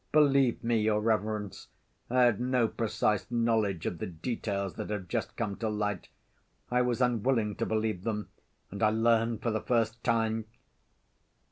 Believe me, your reverence, I had no precise knowledge of the details that have just come to light, I was unwilling to believe them, and I learn for the first time....